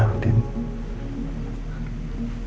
kayak suara angin